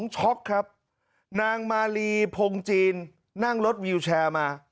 ช็อกครับนางมาลีพงจีนนั่งรถวิวแชร์มา